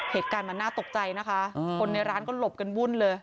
เหตุการณ์มันน่าตกใจนะคะคนในร้านก็หลบกันวุ่นเลย